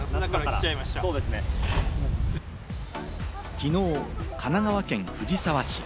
昨日、神奈川県藤沢市。